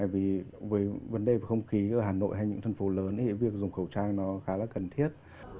vì với vấn đề về không khí ở hà nội hay những thành phố lớn thì việc dùng khẩu trang nó khá là cần thiết